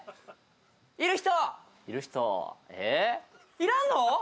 要らんの？